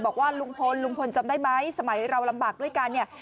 บอกว่าลุงพลลุงพลจำได้ไหมสมัยเราลำบากด้วยกันเนี่ย